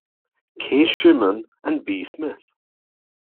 K. Schuhmann and B. Smith.